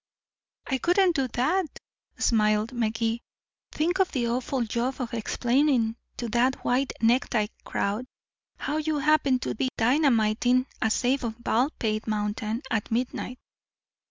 "I wouldn't do that," smiled Magee. "Think of the awful job of explaining to the white necktie crowd how you happened to be dynamiting a safe on Baldpate Mountain at midnight."